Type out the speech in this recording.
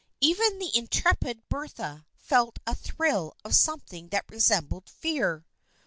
Even the intrepid Bertha felt a thrill of something that resembled fear.